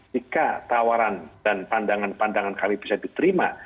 jika tawaran dan pandangan pandangan kami bisa diterima